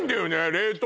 冷凍